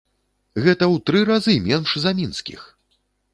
Гэта ў тры разы менш за мінскіх!